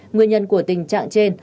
nguyên nhân của tình trạng trên